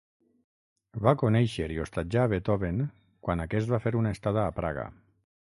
Va conèixer i hostatjà a Beethoven quan aquest va fer una estada a Praga.